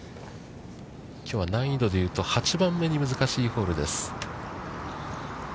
きょうは難易度で言うと８番目に難しいホールです。